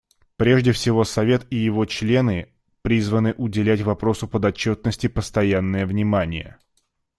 Прежде всего Совет и его члены призваны уделять вопросу подотчетности постоянное внимание.